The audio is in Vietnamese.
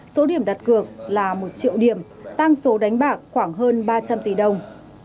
số điểm đặt cược là một triệu điểm tăng số đánh bạc khoảng hơn ba trăm linh tỷ đồng